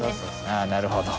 ああなるほど。